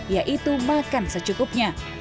yaitu makan secukupnya